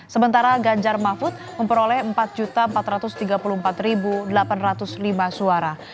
sementara ganjar mahfud memperoleh empat empat ratus tiga puluh empat delapan ratus lima suara